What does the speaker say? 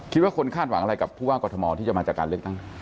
คิดว่าคนคาดหวังอะไรกับผู้ว่ากรทมที่จะมาจากการเลือกตั้ง